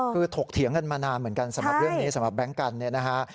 คือถกเถียงกันมานานเหมือนกันสำหรับเรื่องนี้สำหรับแก๊งกันเนี่ยนะฮะ